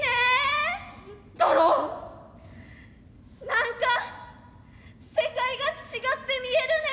何か世界が違って見えるね。